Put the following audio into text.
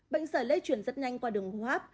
bệnh sời lê chuyển rất nhanh qua đường hốp